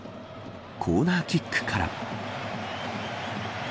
コーナーキックから。